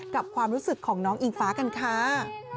ความรู้สึกของน้องอิงฟ้ากันค่ะ